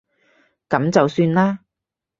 噉就算啦